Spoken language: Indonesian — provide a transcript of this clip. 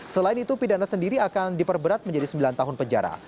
selain itu pidana sendiri akan diperberat menjadi sembilan tahun penjara